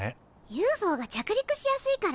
ＵＦＯが着陸しやすいから？